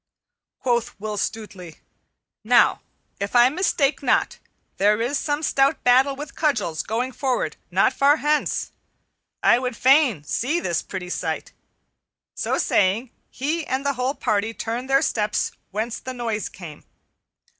Quoth Will Stutely, "Now if I mistake not there is some stout battle with cudgels going forward not far hence. I would fain see this pretty sight." So saying, he and the whole party turned their steps whence the noise came.